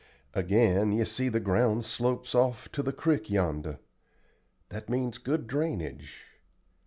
Again, you see the ground slopes off to the crick yonder. That means good drainage.